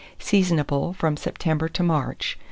Seasonable from September to March.